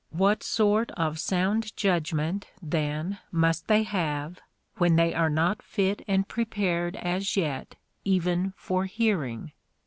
What sort of sound judgment then must they have, when they are not fit and prepared as yet even for hearing